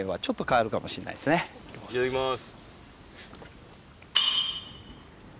いただきます。